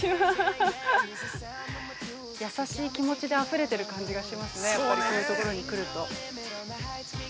優しい気持ちであふれてる感じがしますね、やっぱりこういう所に来ると。